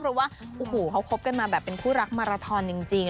เพราะว่าเขาคบกันมาแบบเป็นผู้รักมาราทรรศ์จริง